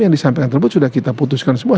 yang disampaikan tersebut sudah kita putuskan semua